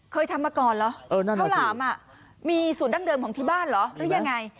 เคยทำมาก่อนเหรอข้าวหลามมีสูตรดั้งเดิมของที่บ้านเหรอหรือยังไง